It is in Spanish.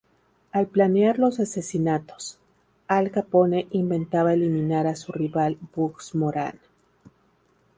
Al planear los asesinatos, Al Capone intentaba eliminar a su rival Bugs Moran.